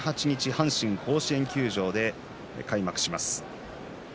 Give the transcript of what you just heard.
阪神甲子園球場で開幕します。